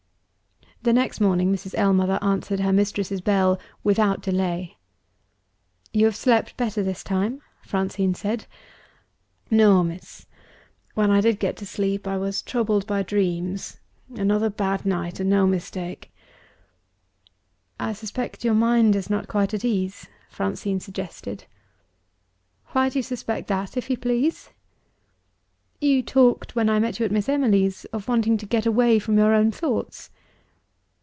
The next morning, Mrs. Ellmother answered her mistress's bell without delay. "You have slept better, this time?" Francine said. "No, miss. When I did get to sleep I was troubled by dreams. Another bad night and no mistake!" "I suspect your mind is not quite at ease," Francine suggested. "Why do you suspect that, if you please?" "You talked, when I met you at Miss Emily's, of wanting to get away from your own thoughts.